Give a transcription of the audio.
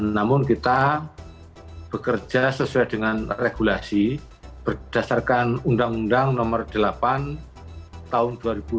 namun kita bekerja sesuai dengan regulasi berdasarkan undang undang nomor delapan tahun dua ribu dua puluh